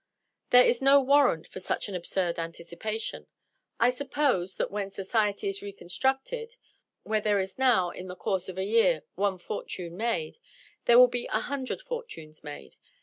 There is no warrant for such an absurd anticipation. I suppose that when society is reconstructed, where there is now, in the course of a year, one fortune made, there will be a hundred fortunes made.